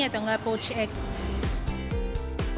atau enggak poached egg